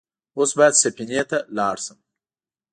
اوس بايد سفينې ته لاړ شم.